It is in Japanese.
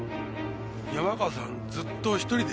山川さんずっと１人でした？